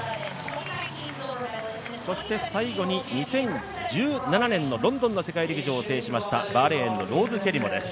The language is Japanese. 最後に２０１７年のロンドンの世界陸上を制しました、バーレーンのローズ・チェリモです。